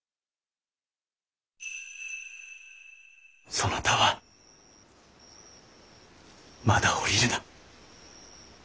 そなたはまだ降りるな。